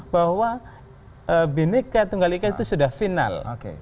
bahwa bineka tunggal ika itu sudah final